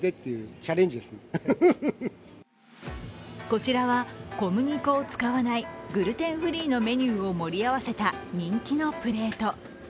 こちらは、小麦粉を使わないグルテンフリーのメニューを盛り合わせた人気のプレート。